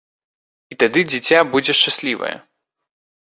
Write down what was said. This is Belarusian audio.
І тады дзіця будзе шчаслівае.